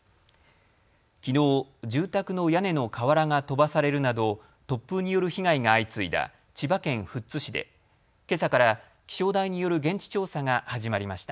きのう、住宅の屋根の瓦が飛ばされるなど突風による被害が相次いだ千葉県富津市でけさから気象台による現地調査が始まりました。